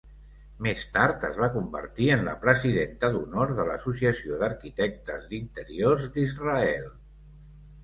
Més tard es va convertir en la presidenta d'Honor de l'Associació d'Arquitectes d'Interiors d'Israel.